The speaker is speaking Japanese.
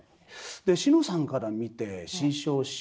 で志乃さんから見て志ん生師匠